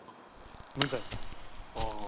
無罪